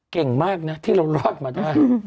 เก่งมากนะที่เรารอดมาได้